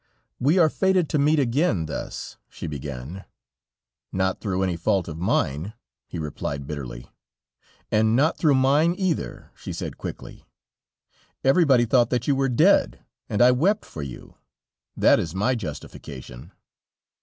"We are fated to meet again thus!" she began. "Not through any fault of mine," he replied bitterly. "And not through mine either," she said quickly; "everybody thought that you were dead, and I wept for you; that is my justification."